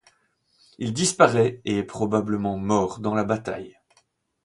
Il disparaît et est probablement mort dans la bataille.